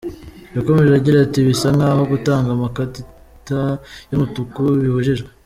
Yakomeje agira ati “Bisa nk’aho gutanga amakatita y’umutuku bibujijwe.